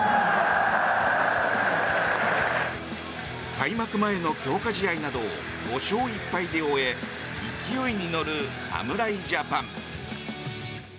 開幕前の強化試合などを５勝１敗で終え勢いに乗る侍ジャパン。